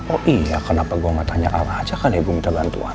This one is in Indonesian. oh iya kenapa gua gak tanya allah aja kali ya gua minta bantuan